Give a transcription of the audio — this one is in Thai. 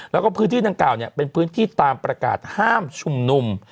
แล้วก็พื้นที่ดังกล่าวเป็นพื้นที่ตามประกาศห้ามชุมนุม